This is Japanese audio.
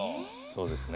そうですね。